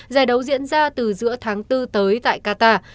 giải đấu diễn ra từ giữa tháng bốn tới tại qatar